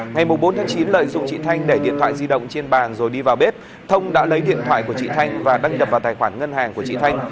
ngày bốn chín lợi dụng chị thanh để điện thoại di động trên bàn rồi đi vào bếp thông đã lấy điện thoại của chị thanh và đăng nhập vào tài khoản ngân hàng của chị thanh